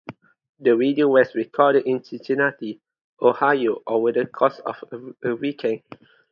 The video was recorded in Cincinnati, Ohio over the course of a weekend.